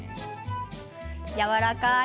やわらかい